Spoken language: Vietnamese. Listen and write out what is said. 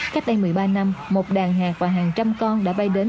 cách đây một mươi ba năm một đàn hạt và hàng trăm con đã bay đến